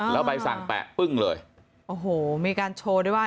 แล้วใบสั่งแปะปึ้งเลยโอ้โหมีการโชว์ด้วยว่า